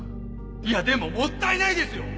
いやでももったいないですよ！